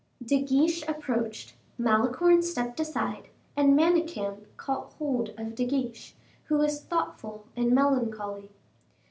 De Guiche approached, Malicorne stepped aside, and Manicamp caught hold of De Guiche, who was thoughtful and melancholy.